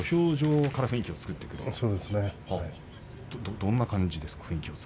どんな感じですか。